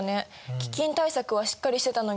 飢饉対策はしっかりしてたのにね。